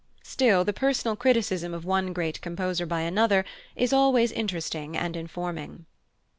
Still, the personal criticism of one great composer by another is always interesting and informing.